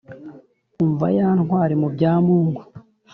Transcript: umva ya ntwari mu bya mungu